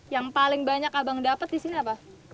yang paling banyak abang dapat di sini apa